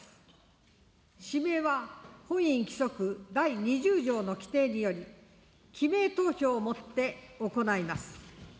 指名は本院規則第２０条の規程により、記名投票をもって、行います。